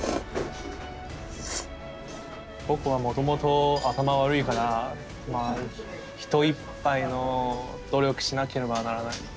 僕はもともと頭悪いから人いっぱいの努力しなければならない。